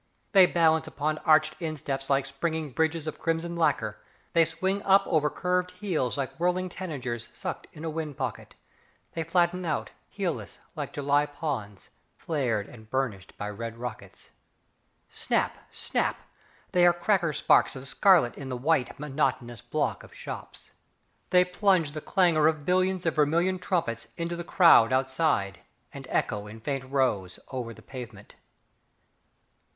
They balance upon arched insteps like springing bridges of crimson lacquer; they swing up over curved heels like whirling tanagers sucked in a wind pocket; they flatten out, heelless, like July ponds, flared and burnished by red rockets. Snap, snap, they are cracker sparks of scarlet in the white, monotonous block of shops. They plunge the clangour of billions of vermilion trumpets into the crowd outside, and echo in faint rose over the pavement.